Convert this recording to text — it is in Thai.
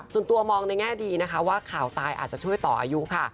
ส่วนตัวมองในแง่ดีนะคะว่าข่าวตายอาจจะช่วยต่ออายุค่ะ